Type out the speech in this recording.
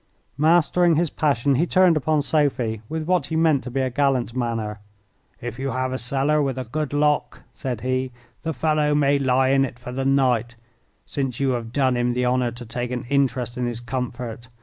Mastering his passion, he turned upon Sophie with what he meant to be a gallant manner. "If you have a cellar with a good lock," said he, "the fellow may lie in it for the night, since you have done him the honour to take an interest in his comfort.